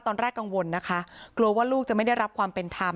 ตอนแรกกังวลนะคะกลัวว่าลูกจะไม่ได้รับความเป็นธรรม